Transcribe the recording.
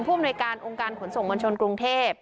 ภูมิในการองค์การขนส่งบนชนกรุงเทพฯ